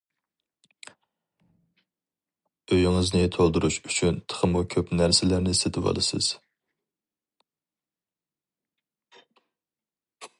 ئۆيىڭىزنى تولدۇرۇش ئۈچۈن تېخىمۇ كۆپ نەرسىلەرنى سېتىۋالىسىز.